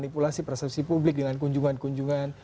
manipulasi persepsi publik dengan kunjungan kunjungan